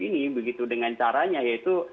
ini begitu dengan caranya yaitu